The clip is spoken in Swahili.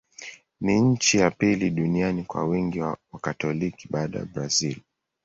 Ni nchi ya pili duniani kwa wingi wa Wakatoliki, baada ya Brazil.